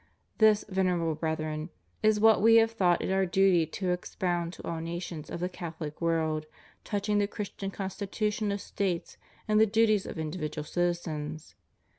This, Venerable Brethren, is what We have thought it Our duty to expound to all nations of the Catholic world touching the Christian constitution of States and the duties of individual citizens.